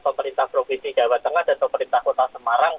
pemerintah provinsi jawa tengah dan pemerintah kota semarang